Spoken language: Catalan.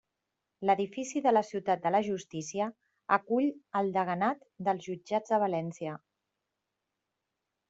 L'edifici de la Ciutat de la Justícia acull el deganat dels jutjats de València.